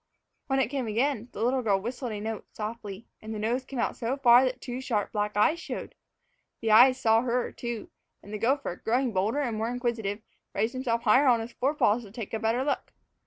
When it came again, the little girl whistled a note softly, and the nose came out so far that two sharp black eyes showed. The eyes saw her, too, and the gopher, growing bolder and more inquisitive, raised himself higher on his fore paws to take a better look.